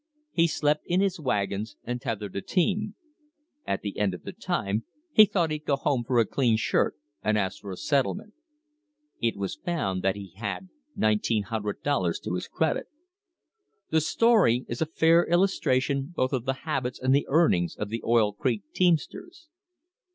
He slept in his wagon and tethered the team. At the end of the time he "thought he'd go home for a clean shirt" and asked for a settlement. It was found that he had $1,900 to his credit. The story is a fair illustration both of the habits and the earnings of the Oil Creek teamsters.